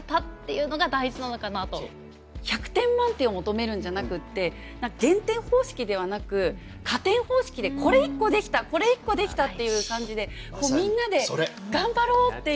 １００点満点を求めるんじゃなくってこれ一個できたこれ一個できたっていう感じでみんなで頑張ろうっていう。